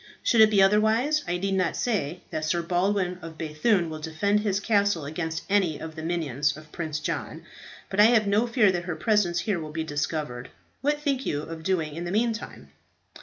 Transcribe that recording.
Should it be otherwise, I need not say that Sir Baldwin of B‚thune will defend his castle against any of the minions of Prince John. But I have no fear that her presence here will be discovered. What think you of doing in the meantime?"